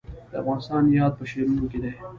د افغانستان یاد په شعرونو کې دی